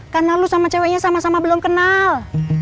karena lu sama ceweknya sama sama belum kenal